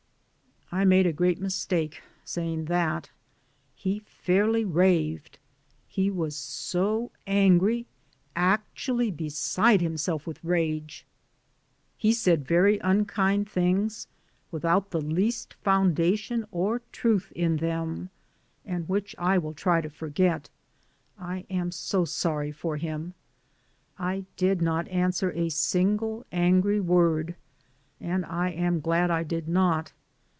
I made a great mistake saying that, he fairly raved ; he was so angry, actually be side himself with rage. He said very unkind things without the least foundation or truth in them, and which I will try to forget. I am so sorry for him. I did not answer a single angry word, and I am glad I did not.